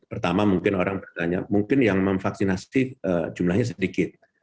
pertama mungkin orang bertanya mungkin yang memvaksinasi jumlahnya sedikit